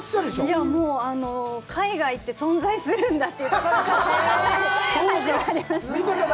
いや、海外って存在するんだというところから始まりました。